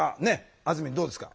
あずみんどうですか？